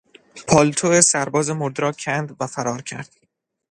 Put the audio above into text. پالتو سرباز مرده را کند و فرار کرد.